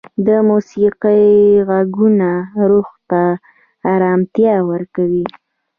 د موسیقۍ ږغونه روح ته ارامتیا ورکوي.